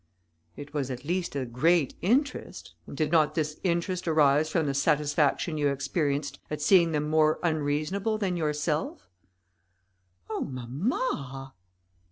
"It was at least a great interest; and did not this interest arise from the satisfaction you experienced at seeing them more unreasonable than yourself?" "Oh, mamma!"